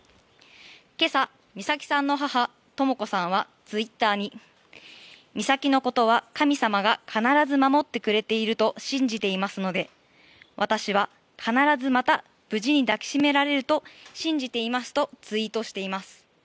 今朝、美咲さんの母とも子さんはツイッターに美咲のことは神様が必ず守ってくれていると信じていますので私は必ずまた無事に抱き締められると信じていますとツイートしています。